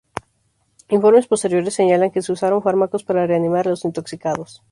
Informes posteriores señalan que se usaron fármacos para reanimar a los intoxicados.